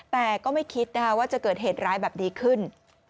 แต่ก็ไม่คิดนะคะว่าจะเกิดเหตุร้ายแบบนี้ขึ้น